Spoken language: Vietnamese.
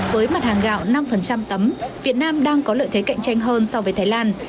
với mặt hàng gạo năm tấm việt nam đang có lợi thế cạnh tranh hơn so với thái lan